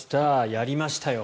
やりましたよ。